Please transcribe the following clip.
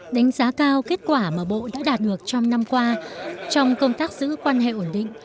đánh giá cao kết quả mà bộ đã đạt được trong năm qua trong công tác giữ quan hệ ổn định